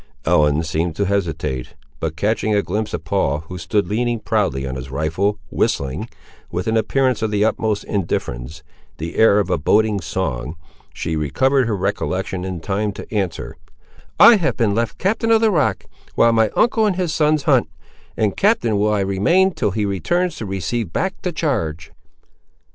Ellen seemed to hesitate, but catching a glimpse of Paul, who stood leaning proudly on his rifle, whistling, with an appearance of the utmost indifference, the air of a boating song, she recovered her recollection in time to answer,— "I have been left the captain of the rock, while my uncle and his sons hunt, and captain will I remain till he returns to receive back the charge."